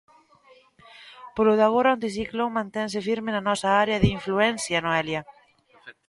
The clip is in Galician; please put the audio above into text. Polo de agora, o anticiclón mantense firme na nosa área de influencia, Noelia?